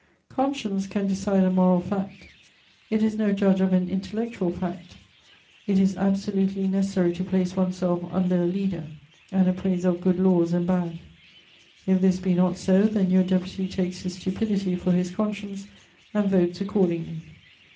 Conscience can decide a moral fact, it is no judge of an intellectual fact. It is absolutely necessary to place one's self under a leader, an appraiser of good laws and bad. If this be not so, then your deputy takes his stupidity for his conscience and votes accordingly.